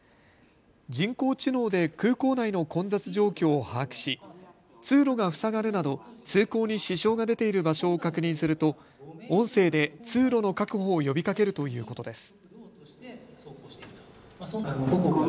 人工知能で空港内の混雑状況を把握し通路が塞がるなど通行に支障が出ている場所を確認すると音声で通路の確保を呼びかけるということです。